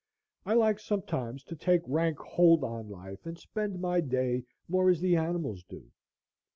I like sometimes to take rank hold on life and spend my day more as the animals do.